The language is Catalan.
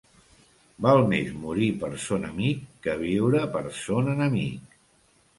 Val més morir per son amic que viure per son enemic.